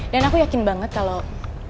dan aku yakin banget kalau